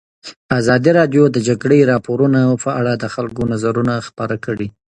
ازادي راډیو د د جګړې راپورونه په اړه د خلکو نظرونه خپاره کړي.